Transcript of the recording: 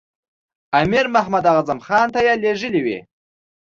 امیر محمد اعظم خان ته یې لېږلی وي.